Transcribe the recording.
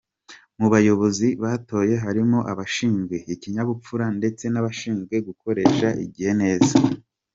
Mu bayobozi batoye harimo abashinzwe ikinyabupfura ndetse n’abashinzwe gukoresha igihe neza.